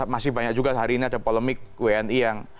masih banyak juga hari ini ada polemik wni yang